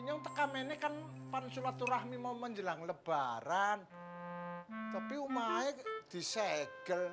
ini untuk amin ikan panjolah turahmi mau menjelang lebaran tapi umayyad di segel